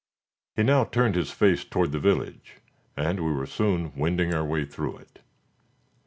He now turned his face towards the village, and we were soon wending our way through it.